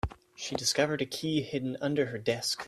She discovered a key hidden under her desk.